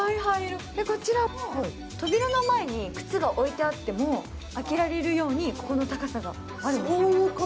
こちら扉の前に靴が置いてあっても開けられるように、ここの高さがあるんですね。